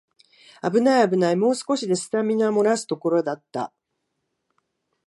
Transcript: あぶないあぶない、もう少しでスタミナもらすところだった